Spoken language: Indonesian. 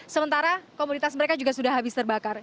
sementara komoditas mereka juga sudah habis terbakar